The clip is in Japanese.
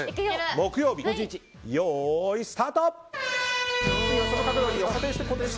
木曜日、よーい、スタート！